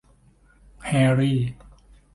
แฮร์รี่